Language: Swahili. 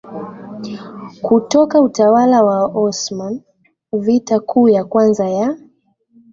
kutoka utawala wa Waosmani Vita Kuu ya Kwanza ya